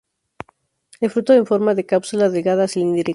El fruto en forma de cápsula delgada cilíndrica.